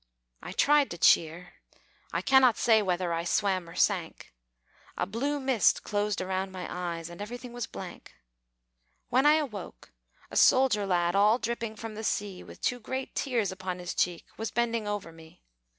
I tried to cheer, I cannot say Whether I swam or sank; A blue mist closed around my eyes, And everything was blank. When I awoke, a soldier lad, All dripping from the sea, With two great tears upon his cheeks, Was bending over me.